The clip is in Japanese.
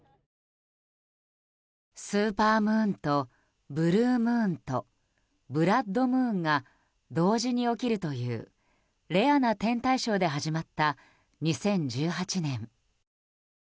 スーパームーンとブルームーンとブラッドムーンが同時に起きるというレアな天体ショーで始まった２０１８年。